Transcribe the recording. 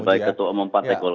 baik ketua umum partai golkar